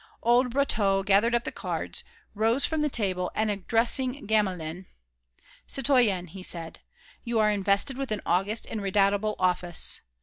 Old Brotteaux gathered up the cards, rose from the table and addressing Gamelin: "Citoyen," he said, "you are invested with an august and redoubtable office.